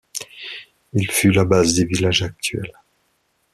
Il fut la base des villages actuels.